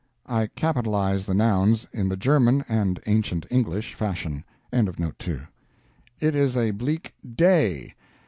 I capitalize the nouns, in the German (and ancient English) fashion. It is a bleak Day.